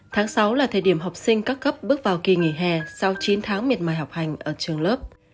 tháng sáu là thời điểm học sinh các cấp bước vào kỳ nghỉ hè sau chín tháng miệt mài học hành ở trường lớp